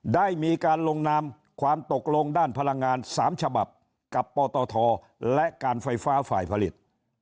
ได้มีการลงนามความตกลงด้านพลังงาน๓ฉบับกับปตทและการไฟฟ้าฝ่ายผลิต